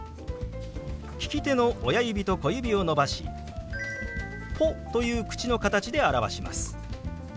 利き手の親指と小指を伸ばし「ポ」という口の形で表します。